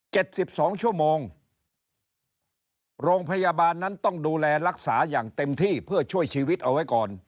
สิบสองชั่วโมงโรงพยาบาลนั้นต้องดูแลรักษาอย่างเต็มที่เพื่อช่วยชีวิตเอาไว้ก่อน